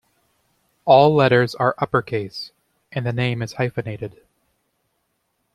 All letters are upper-case, and the name is hyphenated.